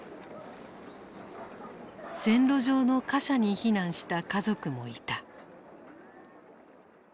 線路上の貨車に避難した家族もいた。